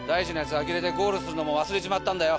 あきれてゴールするのも忘れちまったんだよ。